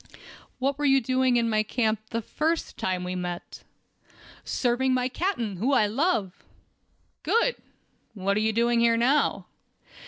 "What were you doing in my camp the first time we met?" "Serving my captain, whom I love." "Good! What are you doing here now?"